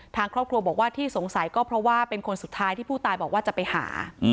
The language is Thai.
ทางครอบครัวบอกว่าที่สงสัยก็เพราะว่าเป็นคนสุดท้ายที่ผู้ตายบอกว่าจะไปหา